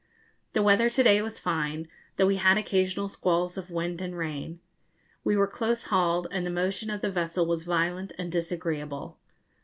The weather to day was fine, though we had occasional squalls of wind and rain. We were close hauled, and the motion of the vessel was violent and disagreeable.